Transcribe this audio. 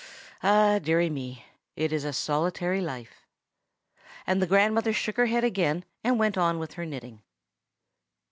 Ah, deary me! it's a solitary life." And the grandmother shook her head again, and went on with her knitting.